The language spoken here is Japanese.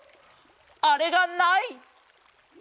あれがない！